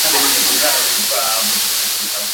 mto ambao hutoa mtiririko wa maji kwenye